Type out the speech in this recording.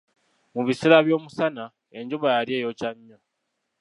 Mu biseera by'omusana, enjuba yali eyokya nnyo.